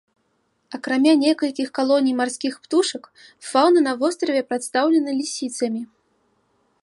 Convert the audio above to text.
Акрамя некалькіх калоній марскіх птушак, фаўна на востраве прадстаўлена лісіцамі.